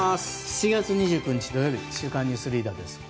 ７月２９日、土曜日「週刊ニュースリーダー」です。